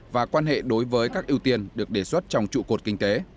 và quan hệ đối với các ưu tiên được đề xuất trong trụ cột kinh tế